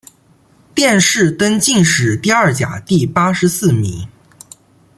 殿试登进士第二甲第八十四名。